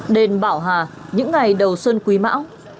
đền bảo hà những ngày đầu xuân quý mão